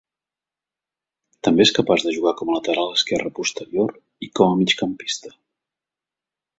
També és capaç de jugar com a lateral esquerra posterior i com a migcampista.